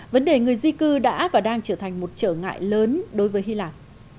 vấn đề người di cư đã và đang trở thành một trở ngại lớn đối với hy lạp